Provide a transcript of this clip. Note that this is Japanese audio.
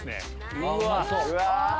うわ！